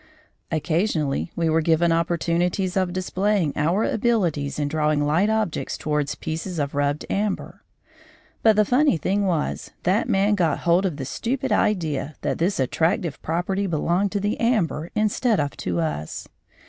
Occasionally we were given opportunities of displaying our abilities in drawing light objects towards pieces of rubbed amber. But the funny thing was that man got hold of the stupid idea that this attractive property belonged to the amber instead of to us.